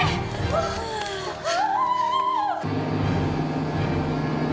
あああ！